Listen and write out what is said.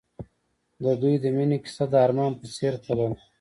د دوی د مینې کیسه د آرمان په څېر تلله.